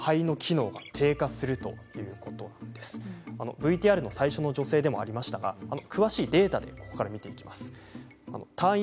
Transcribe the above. ＶＴＲの最初の女性でもありましたが詳しいデータを見ていきます。